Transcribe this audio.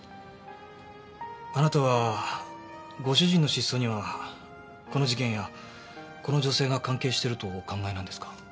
あなたはご主人の失踪にはこの事件やこの女性が関係してるとお考えなんですか？